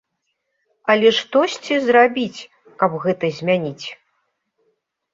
Але штосьці зрабіць, каб гэта змяніць?